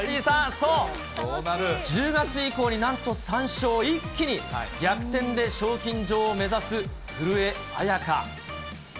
そう、１０月以降になんと３勝、一気に逆転で賞金女王を目指す古江彩佳。